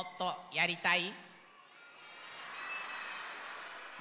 やりたい！